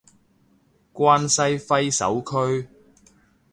關西揮手區